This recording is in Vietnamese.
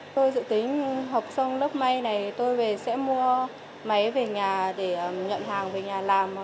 tôi dự tính học xong lớp may này tôi sẽ mua máy về nhà để nhận hàng về nhà làm